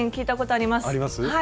あります？